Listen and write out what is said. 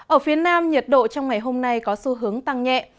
ở phía nam nhiệt độ trong ngày hôm nay có xu hướng tăng nhẹ